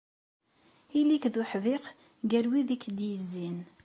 Ili-k d uḥdiq gar wid i k-d-yezzin.